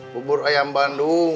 bubur ayam bandung